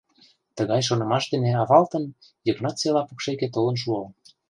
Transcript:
Тыгай шонымаш дене авалтын, Йыгнат села покшеке толын шуо.